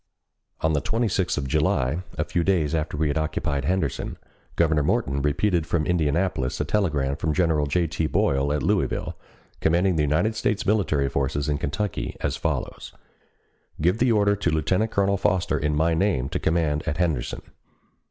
On the 26th of July, a few days after we had occupied Henderson, Governor Morton repeated from Indianapolis a telegram from General J. T. Boyle at Louisville, commanding the United States military forces in Kentucky as follows: "Give the order to Lieutenant Colonel Foster in my name to command at Henderson."